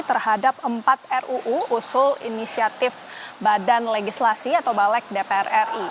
terhadap empat ruu usul inisiatif badan legislasi atau balik dpr ri